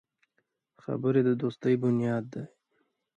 خبرې د دوستي بنیاد دی